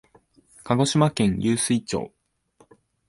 鹿児島県湧水町